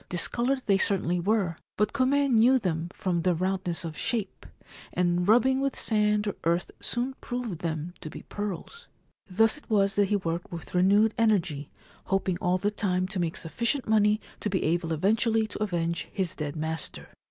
Dis 172 The King of Torijima coloured they certainly were ; but Kume knew them from their roundness of shape, and rubbing with sand or earth soon proved them to be pearls. Thus it was that he worked with renewed energy, hoping all the time to make sufficient money to be able eventually to avenge his dead master.